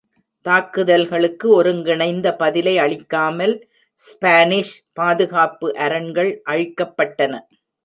தாக்குதல்களுக்கு ஒருங்கிணைந்த பதிலை அளிக்காமல் ஸ்பானிஷ் பாதுகாப்பு அரண்கள் அழிக்கப்பட்டன.